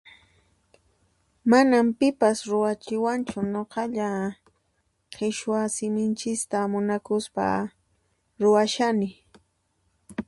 Manan pipas ruwapuwanchu nuqalla qhiswa siminchista munakuspa ruwashani.